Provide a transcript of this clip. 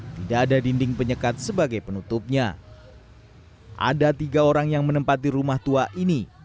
tidak ada dinding penyekat sebagai penutupnya ada tiga orang yang menempati rumah tua ini